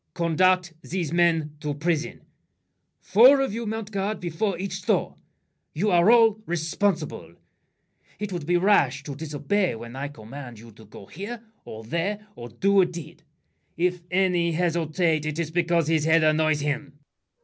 Conduct These men to prison. Four of you mount guard Before each door. You're all responsible. It would be rash to disobey when I command You to go here or there or do a deed. If any hesitate, it is because His head annoys him.